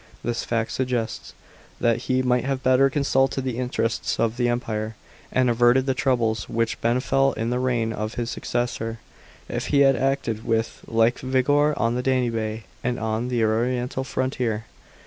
This fact suggests, that he might have better consulted the interests of the Empire, and averted the troubles which befel in the reign of his successor, if he had acted with like vigour on the Danube and on the Oriental frontier.